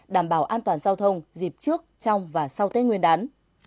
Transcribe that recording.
đảm bảo an toàn giao thông dịp trước trong và sau tết nguyên đán